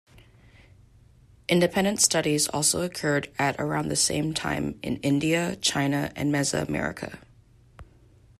Independent studies also occurred at around the same time in India, China, and Mesoamerica.